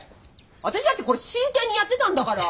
私だってこれ真剣にやってたんだから！